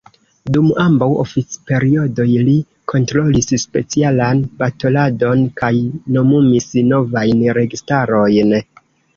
Dum ambaŭ oficperiodoj li kontrolis specialan balotadon kaj nomumis novajn registarojn.